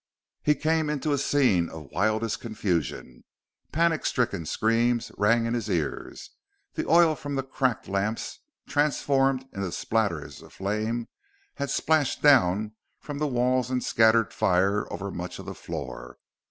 He came into a scene of wildest confusion. Panic stricken screams rang in his ears; the oil from the cracked lamps, transformed into splatters of flame, had splashed down from the walls and scattered fire over much of the floor.